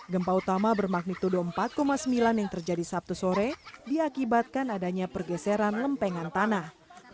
gempa utama bermagnitudo empat sembilan yang terjadi sabtu sore diakibatkan adanya pergeseran lempengan tanah